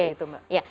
seperti itu mbak